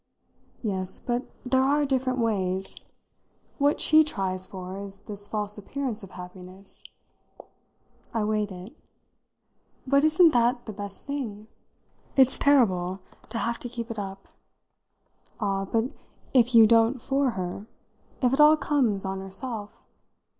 "Yes, but there are different ways. What she tries for is this false appearance of happiness." I weighed it. "But isn't that the best thing?" "It's terrible to have to keep it up." "Ah, but if you don't for her? If it all comes on herself?"